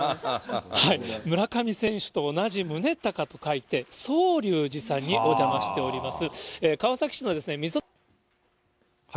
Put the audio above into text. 村上選手と同じ宗隆と書いて、宗隆寺さんにお邪魔しております。